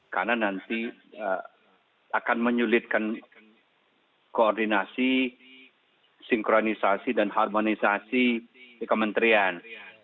karena nanti akan menyulitkan koordinasi sinkronisasi dan harmonisasi di kementerian